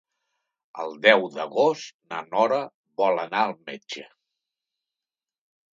El deu d'agost na Nora vol anar al metge.